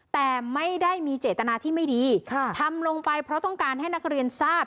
แต่ไม่ได้มีเจตนาที่ไม่ดีทำลงไปเพราะต้องการให้นักเรียนทราบ